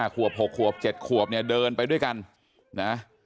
ขวบ๖ขวบ๗ขวบเนี่ยเดินไปด้วยกันนะ